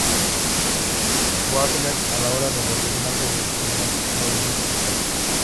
Wagner, a la hora de reflexionar sobre el primer movimiento del Op.